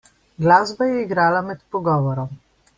Glasba je igrala med pogovorom.